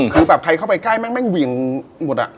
คือแบบใครเข้าไปใกล้แม่งแม่งเหวี่ยงหมด